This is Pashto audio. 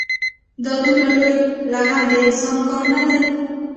دا دومره لوی لغم د انسان کار نه دی.